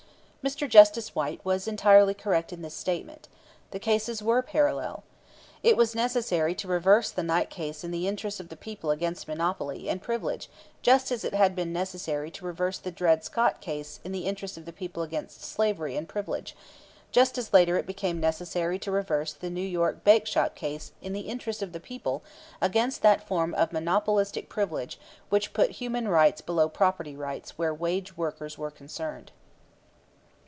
Mr. Justice White was entirely correct in this statement. The cases were parallel. It was necessary to reverse the Knight case in the interests of the people against monopoly and privilege just as it had been necessary to reverse the Dred Scott case in the interest of the people against slavery and privilege; just as later it became necessary to reverse the New York Bakeshop case in the interest of the people against that form of monopolistic privilege which put human rights below property rights where wage workers were concerned.